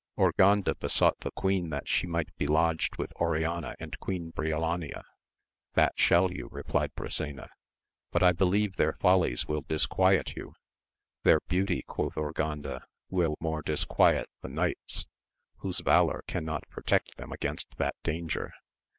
Urganda besought the queen that she might be lodged with Oriana and Queen Briolania. That shall you, replied Brisena, but I believe their follies will disquiet you. Their beauty, quoth Urganda, will more disquiet the knights, whose valour cannot pro tect them against that danger.